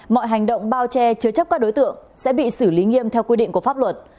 mọi hành động bao che chứa chấp các đối tượng sẽ bị xử lý nghiêm theo quy định của pháp luật